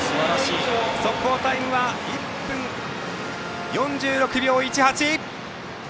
速報タイムは１分４６秒１８。